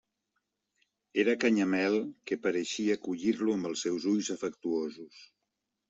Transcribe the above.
Era Canyamel, que pareixia acollir-lo amb els seus ulls afectuosos.